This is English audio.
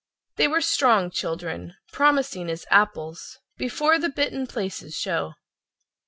They were strong children, promising as apples Before the bitten places show.